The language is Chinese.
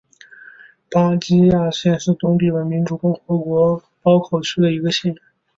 巴吉亚县是东帝汶民主共和国包考区的一个县。